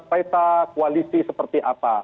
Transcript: peta koalisi seperti apa